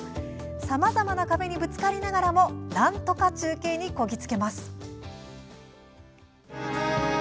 さまざまな壁にぶつかりながらもなんとか中継にこぎ着けます。